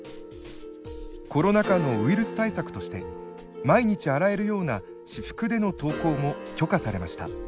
コロナ禍のウイルス対策として毎日洗えるような私服での登校も許可されました。